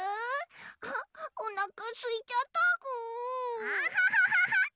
あっおなかすいちゃったぐ。